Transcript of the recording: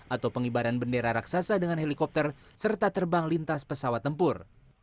atau pengibaran bendera raksasa dengan helikopter serta terbang lintas pesawat tempur